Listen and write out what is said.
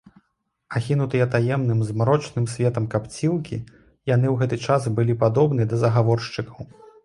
Ахінутыя таемным, змрочным светам капцілкі, яны ў гэты час былі падобны да загаворшчыкаў.